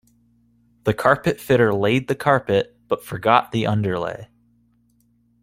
The carpet fitter laid the carpet, but forgot the underlay